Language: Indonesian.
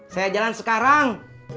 saya jalan sekarang